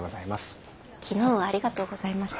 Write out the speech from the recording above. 昨日はありがとうございました。